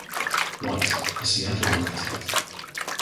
White, a Seattle architect.